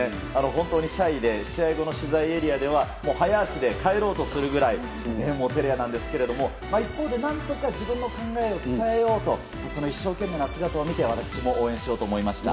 本当にシャイで試合後の取材エリアでは早足で帰ろうとするくらい照れ屋なんですけど一方で何とか自分の考えを伝えようとその一生懸命な姿を見て私も応援しようと思いました。